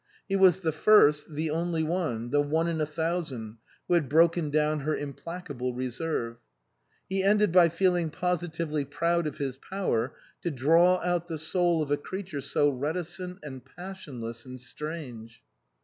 He was the first, the only one, the one in a thousand, who had broken down her implacable reserve. He ended by feeling positively proud of his power to draw out the soul of a creature so reticent and passionless and strange.